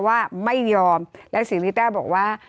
ว่าไม่ยอมและศรีริต้าบอกว่า